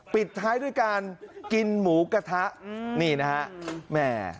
ปิดท้ายด้วยการกินหมูกระทะนี่นะฮะแม่